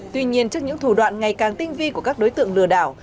tuy nhiên trước những thủ đoạn ngày càng tinh vi của các đối tượng lừa đảo